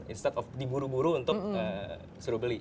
instead of diburu buru untuk suruh beli